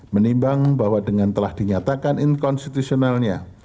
menimbang bahwa dengan telah dinyatakan inkonstitusionalnya